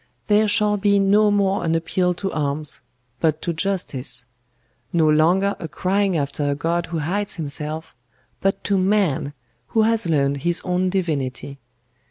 There shall be no more an appeal to arms, but to justice; no longer a crying after a God Who hides Himself, but to Man who has learned his own Divinity.